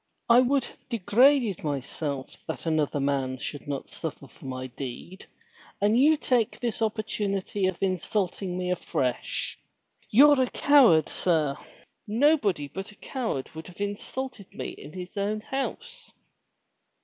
I would have degraded myself that another man should not suffer for my deed, and you take this opportunity of insulting me afresh. You're a coward, sir. Nobody but a coward would have insulted me in his own house."